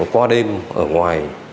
qua đêm ở ngoài